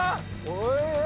おいしい。